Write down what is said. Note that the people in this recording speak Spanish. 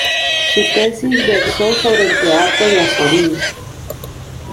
Su tesis versó sobre el Teatro de Azorín.